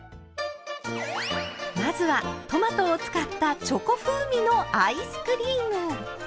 まずはトマトを使ったチョコ風味のアイスクリーム。